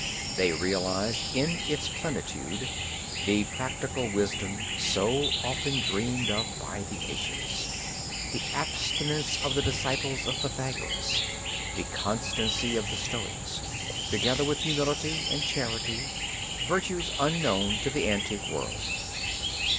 They realized in its plenitude the practical wisdom so often dreamed of by the ancients the abstinence of the disciples of Pythagoras, the constancy of the stoics, together with humility and charity, virtues unknown to the antique world.